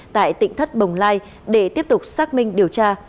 tại tỉnh thất bồng lai để tiếp tục xác minh điều tra